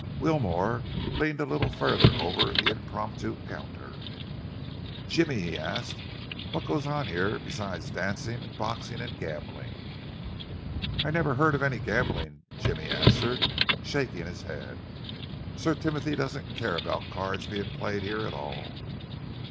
Wilmore leaned a little further over the impromptu counter. "Jimmy," he asked, "what goes on here besides dancing and boxing and gambling?" "I never heard of any gambling," Jimmy answered, shaking his head. "Sir Timothy doesn't care about cards being played here at all."